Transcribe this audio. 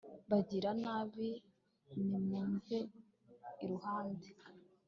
bagiranabi, nimumve iruhande